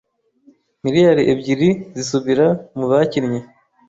miliyari ebyiri Frw zisubira mu bakinnye